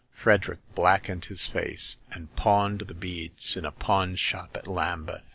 Fred erick blackened his face, and pawned the beads in a pawn shop at Lambeth.